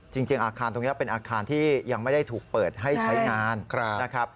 จริงอาคารตรงนี้เป็นอาคารที่ยังไม่ได้ถูกเปิดให้ใช้งานนะครับ